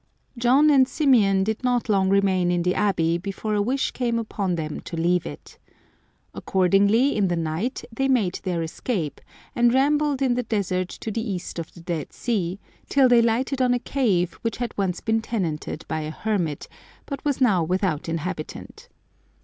John and Symeon did not long remain in the abbey before a wish came upon them to leave it. Accordingly, in the night, they made their escape, and rambled in the desert to the east of the Dead Sea, till they lighted on a cave which had once been tenanted by a hermit, but was now without inhabitant.